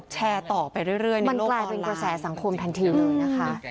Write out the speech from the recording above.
แชร์ต่อไปเรื่อยมันกลายเป็นกระแสสังคมทันทีเลยนะคะ